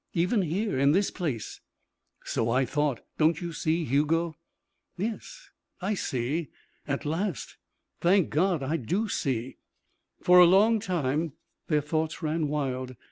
Even here, in this place " "So I thought. Don't you see, Hugo?" "Yes, I see. At last, thank God, I do see!" For a long time their thoughts ran wild.